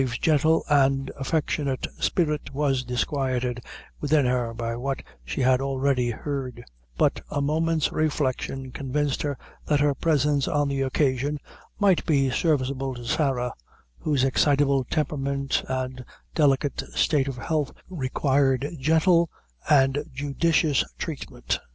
Mave's gentle and affectionate spirit was disquieted within her by what she had already heard; but a moment's reflection convinced her that her presence on the occasion might be serviceable to Sarah, whose excitable temperament and delicate state of health required gentle and judicious treatment.